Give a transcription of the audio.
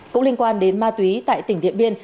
cũng liên quan đến ma túy tại tỉnh điện biên